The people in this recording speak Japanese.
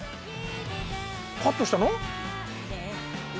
カットしたの？